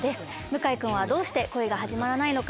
向井君はどうして恋が始まらないのか？